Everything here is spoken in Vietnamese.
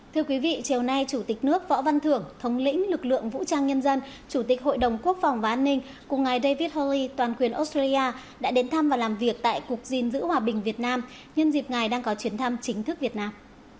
thưa quý vị chiều nay chủ tịch nước võ văn thưởng thống lĩnh lực lượng vũ trang nhân dân chủ tịch hội đồng quốc phòng và an ninh cùng ngày david holli toàn quyền australia đã đến thăm và làm việc tại cục diên dữ hòa bình việt nam nhân dịp ngày đang có chuyến thăm chính thức việt nam